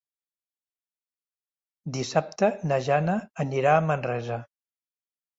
Dissabte na Jana anirà a Manresa.